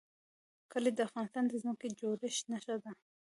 کلي د افغانستان د ځمکې د جوړښت نښه ده.